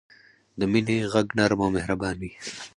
د مینې ږغ نرم او مهربان وي.